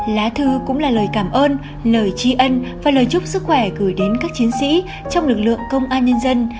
lá thư cũng là lời cảm ơn lời tri ân và lời chúc sức khỏe gửi đến các chiến sĩ trong lực lượng công an nhân dân